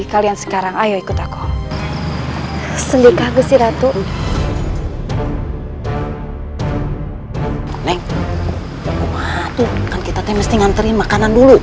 kalian sekarang ayo ikut aku sendirian kaget siratu neng itu kan kita temesti nganterin makanan dulu